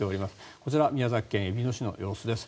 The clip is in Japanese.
こちら宮崎県えびの市の様子です。